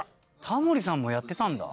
タモリさんもやってたんだ。